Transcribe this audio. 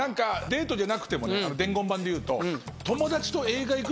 デートでなくてもね伝言板でいうと。